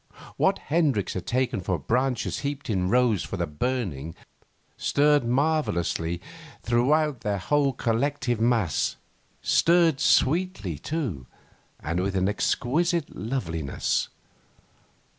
What Hendricks had taken for branches heaped in rows for the burning, stirred marvellously throughout their whole collective mass, stirred sweetly, too, and with an exquisite loveliness.